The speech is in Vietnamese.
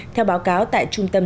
theo báo cáo tại trung tâm